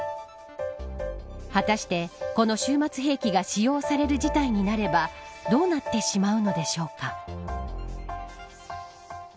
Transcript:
果たして、この終末兵器が使用される事態になればどうなってしまうのでしょうか。